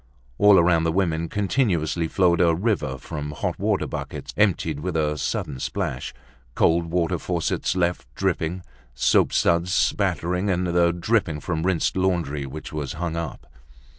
All around the women continuously flowed a river from hot water buckets emptied with a sudden splash, cold water faucets left dripping, soap suds spattering, and the dripping from rinsed laundry which was hung up.